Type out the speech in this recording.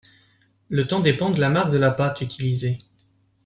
Le temps dépend de la marque de la pâte utilisée.